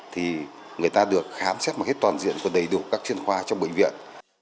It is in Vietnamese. thì người ta được khám xét một cái toàn diện đầy đủ các chuyên khoa trong bệnh viện